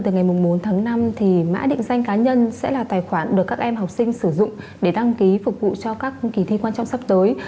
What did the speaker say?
từ ngày bốn tháng năm thì mã định danh cá nhân sẽ là tài khoản được các em học sinh sử dụng để đăng ký phục vụ cho các kỳ thi quan trọng sắp tới